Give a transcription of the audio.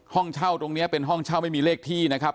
ห้องเช่าตรงนี้เป็นห้องเช่าไม่มีเลขที่นะครับ